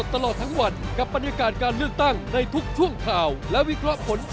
เท่านั้น